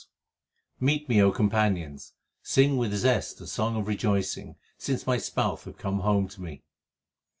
HYMNS OF GURU NANAK 343 Meet me, O companions, sing with zest a song of rejoicing, since my Spouse hath come home to me.